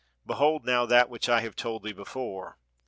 'Behold now that which I have told thee before.